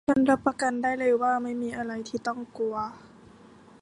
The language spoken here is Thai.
ฉันรับประกันได้เลยว่าไม่มีอะไรที่ต้องกลัว